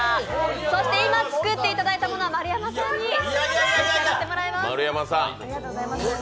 そして今作っていただいたものは丸山さんに召し上がっていただきます。